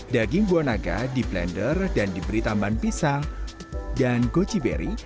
daging buah naga diplender dan diberi tambahan pisang dan goji berry